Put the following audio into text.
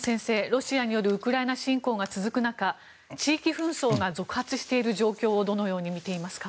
ロシアによるウクライナ侵攻が続く中地域紛争が続発している状況をどのように見ていますか？